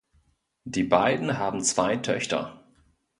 Die beiden haben zwei Töchter.